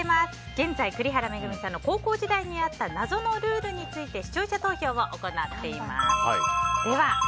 現在、栗原恵さんの高校時代にあった謎のルールについて視聴者投票を行っています。